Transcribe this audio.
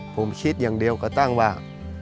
ผมคิดอย่างเดียวก็ตั้งว่า